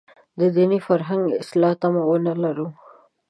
د دیني فرهنګ اصلاح تمه ونه لرو.